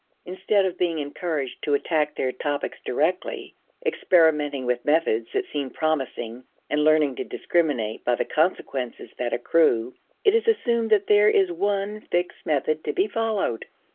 Instead of being encouraged to attack their topics directly, experimenting with methods that seem promising and learning to discriminate by the consequences that accrue, it is assumed that there is one fixed method to be followed.